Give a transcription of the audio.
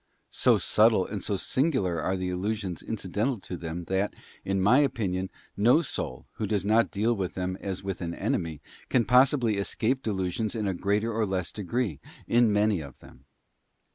So subtle and so singular are the illusions incidental to them that, in my opinion, no soul, who does not deal with them as with an enemy, can possibly escape delusions in a greater, or less degree, in many of them.